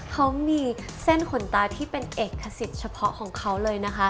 เขามีเส้นขนตาที่เป็นเอกสิทธิ์เฉพาะของเขาเลยนะคะ